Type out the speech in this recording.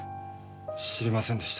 知りませんでした。